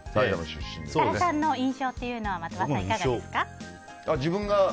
設楽さんの印象というのは的場さん、いかがですか？